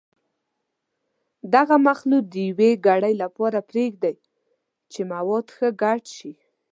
دغه مخلوط د یوې ګړۍ لپاره پرېږدئ چې مواد ښه ګډ شي.